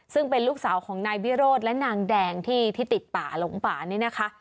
ซึ่งเป็นลูกสาวของนายวิโรธและนางแดงที่ติดป่าหลงป่านี่นะคะ